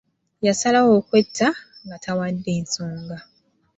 Yasalawo okwetta nga tawadde nsonga.